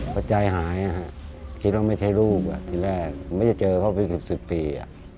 เพราะใจหายคิดว่าไม่ใช่ลูกที่แรกไม่ได้เจอครอบคริสต์๑๐ปี